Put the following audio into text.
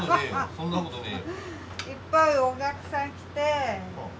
そんなことねえよ。